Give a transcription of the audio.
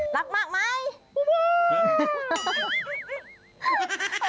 รักมากไหม